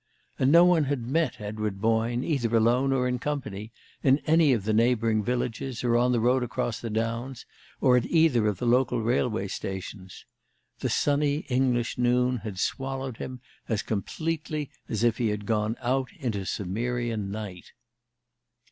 And no one had met Edward Boyne, either alone or in company, in any of the neighboring villages, or on the road across the downs, or at either of the local railway stations. The sunny English noon had swallowed him as completely as if he had gone out into Cimmerian night.